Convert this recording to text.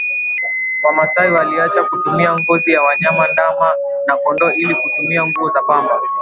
Wamasai waliacha kutumia ngozi ya wanyama ndama na kondoo ili kutumia nguo za pamba